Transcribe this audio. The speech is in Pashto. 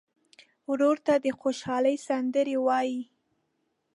ورور ته د خوشحالۍ سندرې وایې.